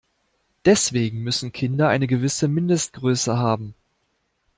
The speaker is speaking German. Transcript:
Deswegen müssen Kinder eine gewisse Mindestgröße haben.